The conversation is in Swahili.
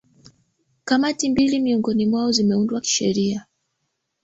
kamati mbili miongoni mwao zimeundwa kisheria